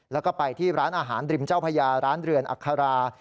แล้วก็ไปที่ร้านอาหารริมเจ้าพญาร้านเรือนอัครา